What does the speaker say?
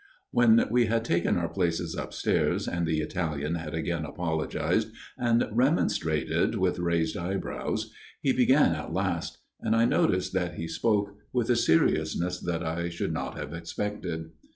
When we had taken our places upstairs, and the Italian had again apologized and remonstrated with raised eyebrows, he began at last ; and I noticed that he spoke with a seriousness that I should not have expected.